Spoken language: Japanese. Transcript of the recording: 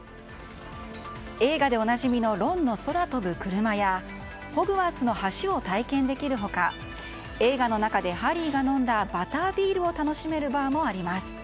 映画でおなじみのロンの空飛ぶ車やホグワーツの橋を体験できる他映画の中でハリーが飲んだバタービールを楽しめるバーもあります。